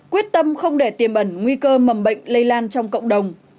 quyết tâm không để tiềm ẩn nguy cơ mầm bệnh lây lan trong cộng đồng